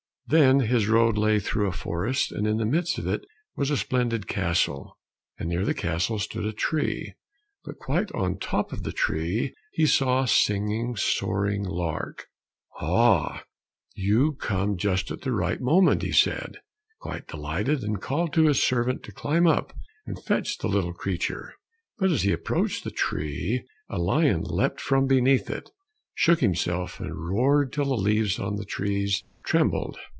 Then his road lay through a forest, and in the midst of it was a splendid castle, and near the castle stood a tree, but quite on the top of the tree, he saw a singing, soaring lark. "Aha, you come just at the right moment!" he said, quite delighted, and called to his servant to climb up and catch the little creature. But as he approached the tree, a lion leapt from beneath it, shook himself, and roared till the leaves on the trees trembled.